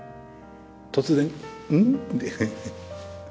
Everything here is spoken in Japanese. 突然「うん？」って。